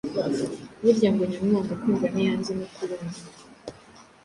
Burya ngo: “Nyamwaga kumva ntiyanze no kubona”!